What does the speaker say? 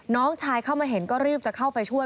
น้องชายเข้ามาเห็นก็รีบจะเข้าไปช่วย